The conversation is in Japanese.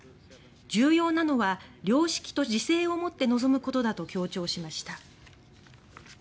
重要なのは良識と自制をもって臨むことだと強調しました。